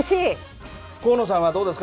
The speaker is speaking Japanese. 高野さんはどうですか。